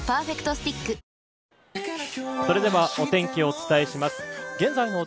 それではお天気をお伝えします。